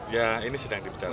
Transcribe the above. ya ini sedang dipercayakan